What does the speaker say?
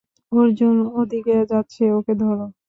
অর্জুন ওদিকে যাচ্ছে, ওকে ধর।